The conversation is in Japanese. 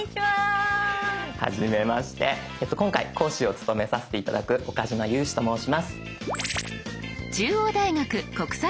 はじめまして今回講師を務めさせて頂く岡嶋裕史と申します。